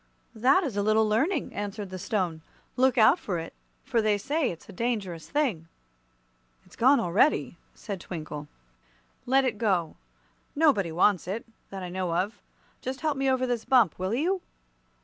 "That is a little Learning," answered the Stone. "Look out for it, for they say it's a dangerous thing." "It's gone already," said Twinkle. "Let it go. Nobody wants it, that I know of. Just help me over this bump, will you?"